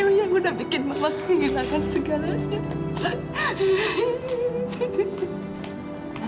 dewi yang udah bikin mama kehilangan segalanya